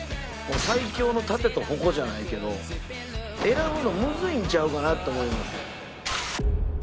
最強の盾と矛じゃないけど選ぶのむずいんちゃうかなって思います。